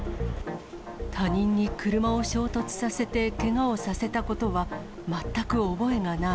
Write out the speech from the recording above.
他人に車を衝突させて、けがをさせたことは全く覚えがない。